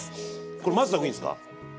これ混ぜた方がいいんですか黄身？